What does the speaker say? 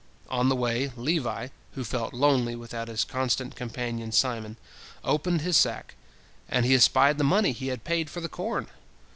On the way, Levi, who felt lonely without his constant companion Simon, opened his sack, and he espied the money he had paid for the corn.